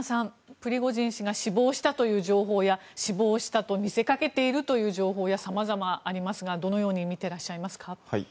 プリゴジン氏が死亡したという情報や死亡したと見せかけているという情報などさまざまありますが、どのように見ていらっしゃいますか。